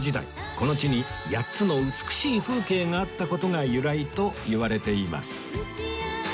この地に８つの美しい風景があった事が由来といわれています